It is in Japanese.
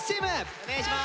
お願いします。